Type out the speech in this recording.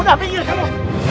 udah pinggir kamu